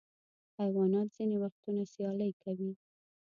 حیوانات ځینې وختونه سیالۍ کوي.